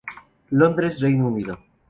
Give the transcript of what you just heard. Londres, Reino Unido.